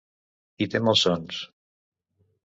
I té malsons.